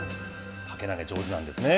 掛け投げ上手なんですね。